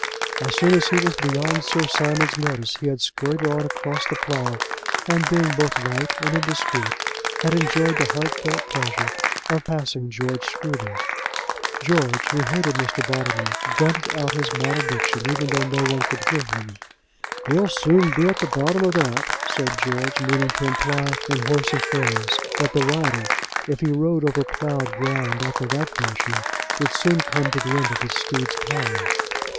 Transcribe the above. As soon as he was beyond Sir Simon's notice, he had scurried on across the plough, and being both light and indiscreet, had enjoyed the heartfelt pleasure of passing George Scruby. George, who hated Mr. Bottomley, grunted out his malediction, even though no one could hear him. "He'll soon be at the bottom of that," said George, meaning to imply in horsey phrase that the rider, if he rode over ploughed ground after that fashion, would soon come to the end of his steed's power.